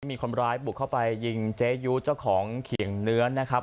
มีคนร้ายบุกเข้าไปยิงเจ๊ยูเจ้าของเขียงเนื้อนะครับ